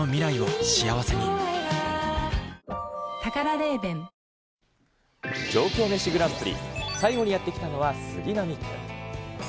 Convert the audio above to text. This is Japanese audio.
ウィルキンソン上京メシグランプリ、最後にやって来たのは杉並区。